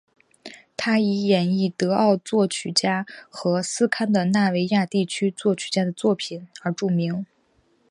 他以演绎德奥作曲家和斯堪的纳维亚地区作曲家的作品而著名。